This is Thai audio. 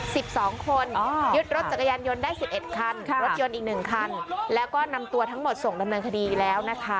สิบสองคนยึดรถจักรยานยนต์ได้สิบเอ็ดคันรถยนต์อีกหนึ่งคันแล้วก็นำตัวทั้งหมดส่งดำเนินคดีแล้วนะคะ